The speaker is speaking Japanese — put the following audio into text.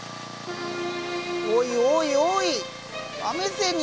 おいおいおい！